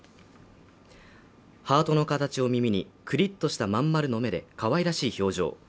ハートの形を耳にクリッとしたまん丸の目でかわいらしい表情